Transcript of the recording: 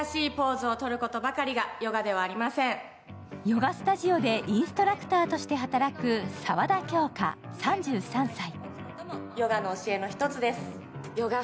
ヨガスタジオでインストラクターしてと働く沢田杏花、３３歳。